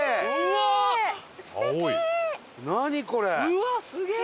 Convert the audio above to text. うわっすげえ！